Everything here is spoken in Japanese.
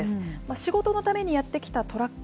仕事のためにやって来たトラック。